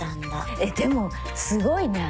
えっでもすごいね。